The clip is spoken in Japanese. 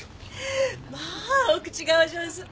まあお口がお上手。